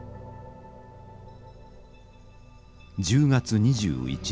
１０月２１日。